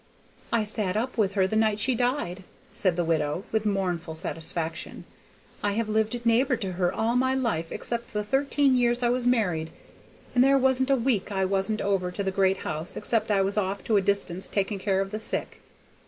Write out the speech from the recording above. "I sat up with her the night she died," said the widow, with mournful satisfaction. "I have lived neighbor to her all my life except the thirteen years I was married, and there wasn't a week I wasn't over to the great house except I was off to a distance taking care of the sick.